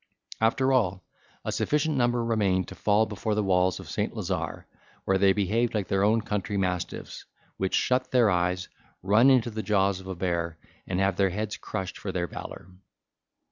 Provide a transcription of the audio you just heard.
After all, a sufficient number remained to fall before the walls of St. Lazar, where they behaved like their own country mastiffs, which shut their eyes, run into the jaws of a bear, and have their heads crushed for their valour.